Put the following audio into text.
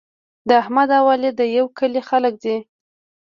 احمد او علي د یوه کلي خلک دي.